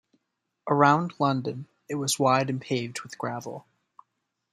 Around London, it was wide and paved with gravel.